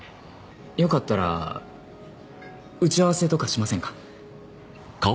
よかったら打ち合わせとかしませんか？